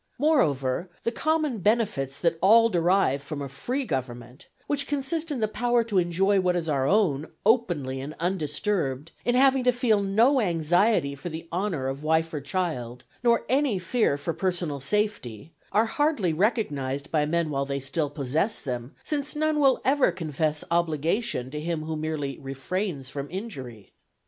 Moreover the common benefits that all derive from a free government, which consist in the power to enjoy what is our own, openly and undisturbed, in having to feel no anxiety for the honour of wife or child, nor any fear for personal safety, are hardly recognized by men while they still possess them, since none will ever confess obligation to him who merely refrains from injury.